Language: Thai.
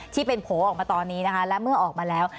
ที่เป็นโผล่ออกมาตอนนี้นะคะและเมื่อออกมาแล้ว